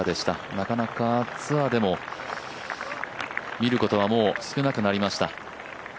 なかなかツアーでも見ることはもう少なくなりました。